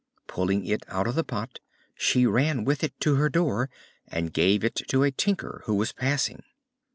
Pulling it out of the pot, she ran with it to her door, and gave it to a tinker who was passing.